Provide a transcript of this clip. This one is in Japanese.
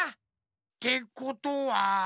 ってことは。